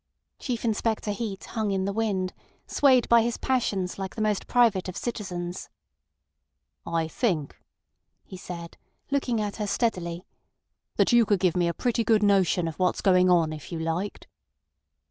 Chief Inspector Heat hung in the wind, swayed by his passions like the most private of citizens. "I think," he said, looking at her steadily, "that you could give me a pretty good notion of what's going on if you liked."